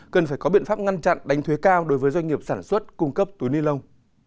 cần phải có biện pháp ngăn chặn đánh thuế cao đối với doanh nghiệp sản xuất cung cấp túi ni lông